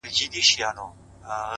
هو په همزولو کي له ټولو څخه پاس يمه!